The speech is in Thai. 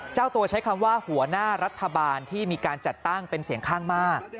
เจ้าตัวใช้คำว่าหัวหน้ารัฐบาลที่มีการจัดตั้งเป็นเสียงข้างมาก